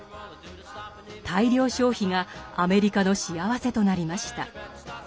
大量消費がアメリカの幸せとなりました。